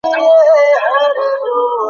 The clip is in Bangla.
আরবের পথেও অনুসন্ধান করা হল।